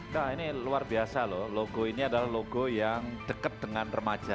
nah ini luar biasa loh logo ini adalah logo yang dekat dengan remaja